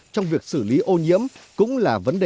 trong việc xử lý ô nhiễm cũng là vấn đề